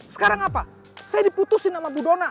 sekarang apa saya diputusin sama bu dona